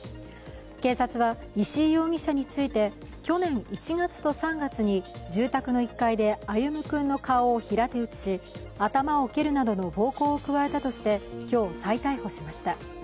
警察は石井容疑者について去年１月と３月に住宅の１階で歩夢君の顔を平手打ちし頭を蹴るなどの暴行を加えたとして、今日再逮捕されました。